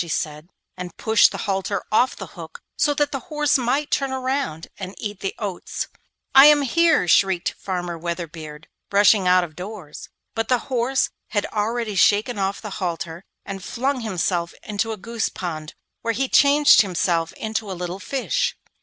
she said, and pushed the halter off the hook so that the horse might turn round and eat the oats. 'I am here!' shrieked Farmer Weatherbeard, rushing out of doors. But the horse had already shaken off the halter and flung himself into a goose pond, where he changed himself into a little fish.